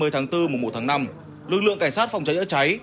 ba mươi tháng bốn mùa một tháng năm lực lượng cảnh sát phòng cháy chữa cháy